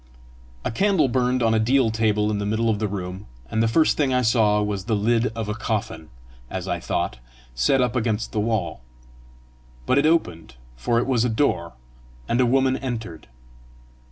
A candle burned on a deal table in the middle of the room, and the first thing I saw was the lid of a coffin, as I thought, set up against the wall; but it opened, for it was a door, and a woman entered.